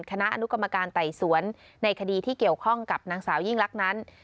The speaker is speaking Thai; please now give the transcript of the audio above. คณะอนุกรรมการไต่สวนในคดีที่เกี่ยวข้องกับนางสาวยิ่งลักษณ์นั้น